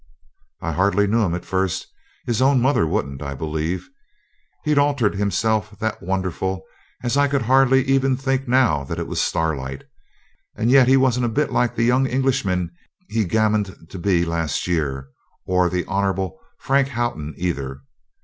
I hardly knew him at first. His own mother wouldn't, I believe. He'd altered himself that wonderful as I could hardly even now think it was Starlight; and yet he wasn't a bit like the young Englishman he gammoned to be last year, or the Hon. Frank Haughton either.